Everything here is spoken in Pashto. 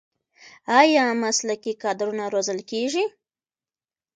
آیا مسلکي کادرونه روزل کیږي؟